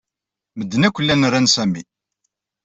Medden akk llan ran Sami.